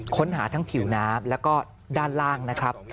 ค้นหาทั้งผิวน้ำแล้วก็ด้านล่างนะครับ